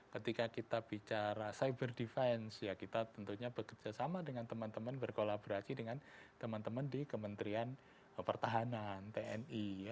ketika kita bicara cyber defense ya kita tentunya bekerjasama dengan teman teman berkolaborasi dengan teman teman di kementerian pertahanan tni